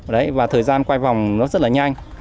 đấy và thời gian quay vòng nó rất là nhanh